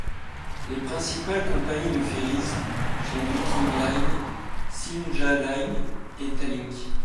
Les principales compagnies de ferries sont Viking Line, Silja Line et Tallink.